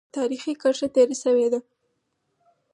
تاریخي کرښه تېره شوې ده.